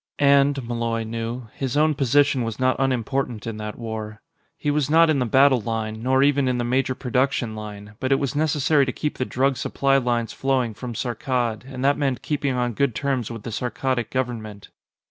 And, Malloy knew, his own position was not unimportant in that war. He was not in the battle line, nor even in the major production line, but it was necessary to keep the drug supply lines flowing from Saarkkad, and that meant keeping on good terms with the Saarkkadic government.